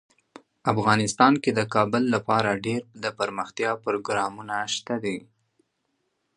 افغانستان کې د کابل لپاره ډیر دپرمختیا پروګرامونه شته دي.